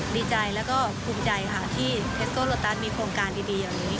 ดีใจและภูมิใจที่เพสโกโลตันมีโครงการดีอย่างนี้